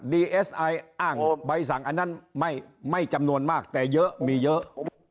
เอสไออ้างใบสั่งอันนั้นไม่จำนวนมากแต่เยอะมีเยอะ